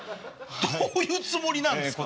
どういうつもりなんすか？